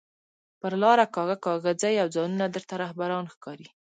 پر لار کاږه کاږه ځئ او ځانونه درته رهبران ښکاري